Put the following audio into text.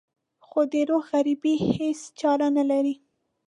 خو د روح غريبي هېڅ چاره نه لري.